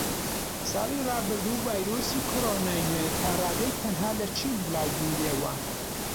ساڵی ڕابردوو ڤایرۆسی کۆرۆنای نوێ تاڕادەیەک تەنها لە چین بڵاوبوویەوە